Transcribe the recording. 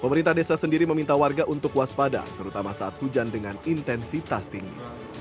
pemerintah desa sendiri meminta warga untuk waspada terutama saat hujan dengan intensitas tinggi